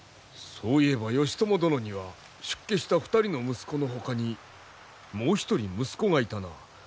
そういえば義朝殿には出家した２人の息子のほかにもう一人息子がいたな。